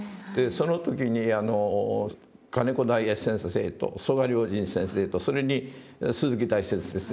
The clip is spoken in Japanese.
その時に金子大栄先生と曽我量深先生とそれに鈴木大拙先生